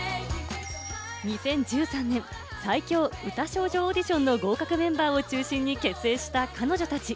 ２０１３年、『最強歌少女オーディション』の合格メンバーを中心に結成した彼女たち。